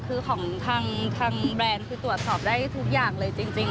คือของทางแบรนด์คือตรวจสอบได้ทุกอย่างเลยจริง